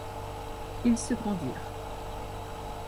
Ils se grandirent.